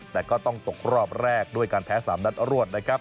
แต่ก็ต้องตกรอบแรกด้วยการแพ้๓นัดรวดนะครับ